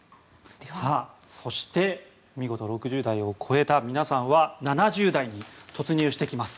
そして、見事６０代を超えた皆さんは７０代に突入してきます。